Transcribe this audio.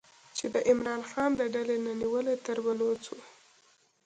چې د عمران خان د ډلې نه نیولې تر بلوڅو